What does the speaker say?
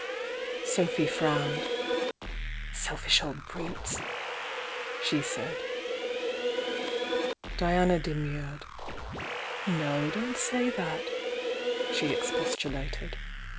Sophy frowned. "Selfish old brutes!" she said. Diana demurred. "No, don't say that!" she expostulated.